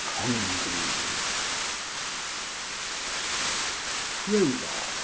CONGREVE. PROLOGUE.